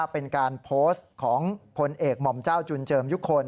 เป็นการโพสต์ของพลเอกหม่อมเจ้าจุนเจิมยุคล